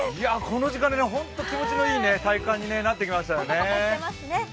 この時間、本当に気持ちのいい体感になってきましたね。